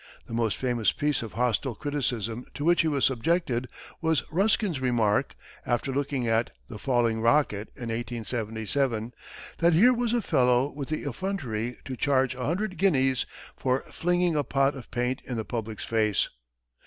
The most famous piece of hostile criticism to which he was subjected was Ruskin's remark, after looking at "The Falling Rocket" in 1877, that here was a fellow with the effrontery to charge a hundred guineas for flinging a pot of paint in the public's face.